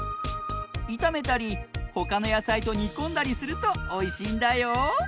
いためたりほかのやさいとにこんだりするとおいしいんだよ。